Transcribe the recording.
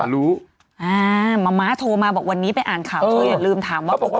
อ่ามะมะโทรมาบอกวันนี้ไปอ่านข่าวอย่าลืมถามว่าเป็นใครนะ